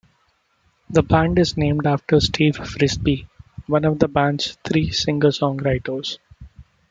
The band is named after Steve Frisbie, one of the band's three singer-songwriters.